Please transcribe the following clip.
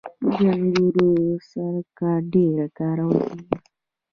د انګورو سرکه ډیره کارول کیږي.